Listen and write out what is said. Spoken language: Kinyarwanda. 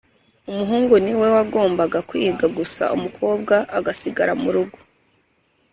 Umuhungu ni we wagombaga kwiga gusa umukobwa agasigara mu rugo.